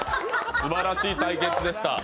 すばらしい対決でした。